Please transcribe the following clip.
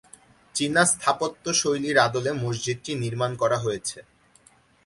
চীনা স্থাপত্য শৈলীর আদলে মসজিদটি নির্মাণ করা হয়েছে।